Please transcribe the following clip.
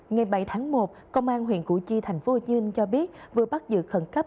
ngày bảy tháng một công an huyện củ chi tp hcm cho biết vừa bắt giữ khẩn cấp